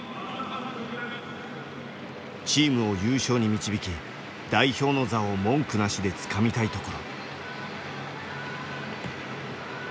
チームを優勝に導き代表の座を文句なしでつかみたいところ。